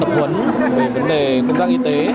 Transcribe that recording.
tập huấn về vấn đề cân giác y tế